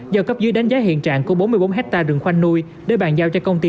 do cấp dưới đánh giá hiện trạng của bốn mươi bốn hectare đường khoanh nuôi để bàn giao cho công ty